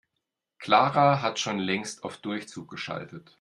Clara hat schon längst auf Durchzug geschaltet.